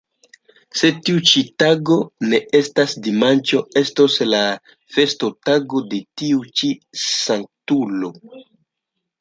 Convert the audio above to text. Se tiu ĉi tago ne estas dimanĉo, estos la festotago de tiu ĉi Sanktulo.